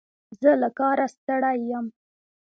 زه له کاره ستړی یم.